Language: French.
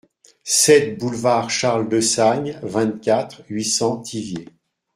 sept boulevard Charles Dessagne, vingt-quatre, huit cents, Thiviers